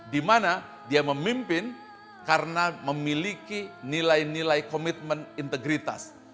dimana dia memimpin karena memiliki nilai nilai komitmen integritas